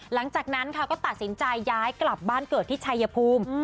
หลังจากนั้นค่ะก็ตัดสินใจย้ายกลับบ้านเกิดที่ชายภูมิ